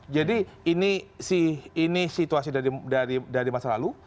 jadi ini situasi dari masa lalu